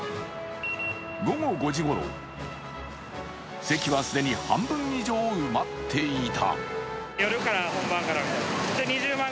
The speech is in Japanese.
午後５時ごろ、席は既に半分以上埋まっていた。